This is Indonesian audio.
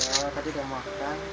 iya tadi udah makan